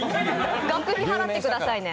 学費払ってくださいね。